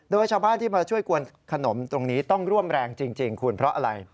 โดยชาวบ้านที่มาช่วยกวนขนมตรงนี้ต้องร่วมแรงจริงคุณเพราะอะไร